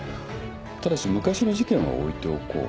ただし昔の事件は置いておこう。